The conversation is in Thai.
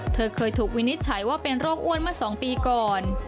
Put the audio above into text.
เธอเคยถูกวินิจฉัยว่าเป็นโรคอ้วนมา๒ปีก่อน